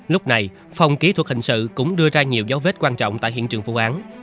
lúc này phòng kỹ thuật hình sự cũng đưa ra nhiều dấu vết quan trọng tại hiện trường vụ án